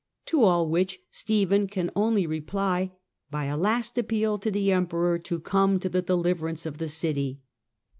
To all which Stephen can only reply by a last appeal to the Emperor to come to the deliverance of the city.